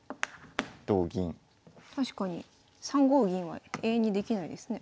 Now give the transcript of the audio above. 確かに３五銀は永遠にできないですね。